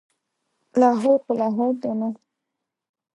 لاهور خو لاهور دی نو.